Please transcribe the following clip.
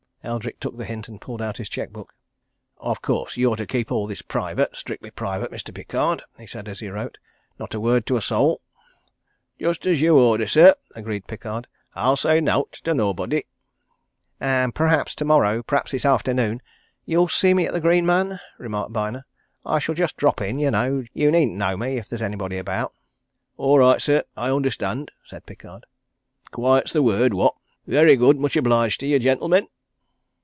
Eldrick took the hint and pulled out his cheque book. "Of course, you're to keep all this private strictly private, Mr. Pickard," he said as he wrote. "Not a word to a soul!" "Just as you order, sir," agreed Pickard. "I'll say nowt to nobody." "And perhaps tomorrow perhaps this afternoon you'll see me at the Green Man," remarked Byner. "I shall just drop in, you know. You needn't know me if there's anybody about." "All right, sir I understand," said Pickard. "Quiet's the word what? Very good much obliged to you, gentlemen."